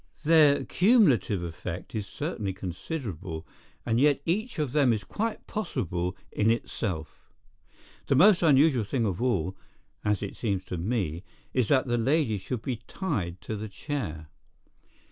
"Their cumulative effect is certainly considerable, and yet each of them is quite possible in itself. The most unusual thing of all, as it seems to me, is that the lady should be tied to the chair."